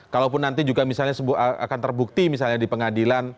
kalaupun nanti juga misalnya akan terbukti misalnya di pengadilan